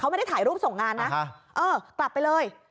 ไม่ได้ถ่ายรูปส่งงานนะเออกลับไปเลย